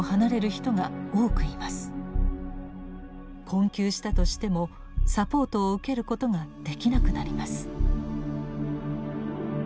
困窮したとしてもサポートを受けることができなくなります。